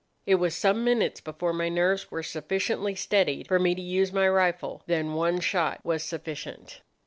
It was some minutes before my nerves were sufficiently steadied for me to use my rifle; then one shot was sufficient.